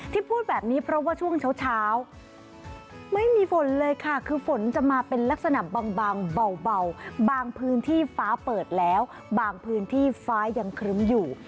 พูดแบบนี้เพราะว่าช่วงเช้าไม่มีฝนเลยค่ะคือฝนจะมาเป็นลักษณะบางเบาบางพื้นที่ฟ้าเปิดแล้วบางพื้นที่ฟ้ายังครึ้มอยู่